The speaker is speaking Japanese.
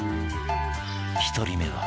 １人目は